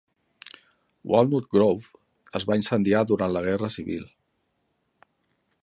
Walnut Grove es va incendiar durant la guerra civil.